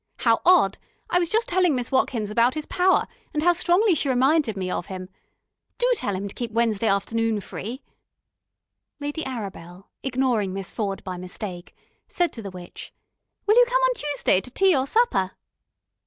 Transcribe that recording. "How odd! I was just telling Miss Watkins about his Power, and how strongly she reminded me of him. Do tell him to keep Wednesday afternoon free." Lady Arabel, ignoring Miss Ford by mistake, said to the witch: "Will you come on Tuesday to tea or supper?"